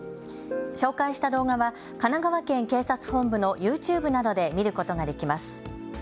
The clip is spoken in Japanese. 紹介した動画は神奈川県警察本部のＹｏｕＴｕｂｅなどで見ることができます。